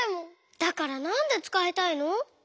だからなんでつかいたいの？